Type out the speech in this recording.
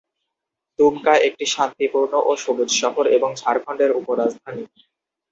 দুমকা একটি শান্তিপূর্ণ ও সবুজ শহর এবং ঝাড়খণ্ডের উপ-রাজধানী।